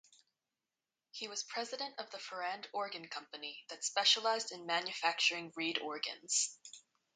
He was president of the Farrand Organ Company that specialized in manufacturing reed organs.